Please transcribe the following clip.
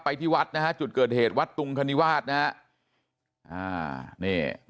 ไปที่วัดนะครับจุดเกิดเหตุวัดตุงคณิวาสนะครับ